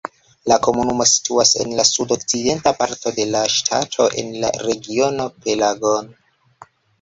La komunumo situas en la sudokcidenta parto de la ŝtato en la regiono Pelagon.